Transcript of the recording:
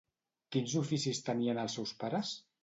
Quins oficis tenien els seus pares?